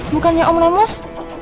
bukannya om lemos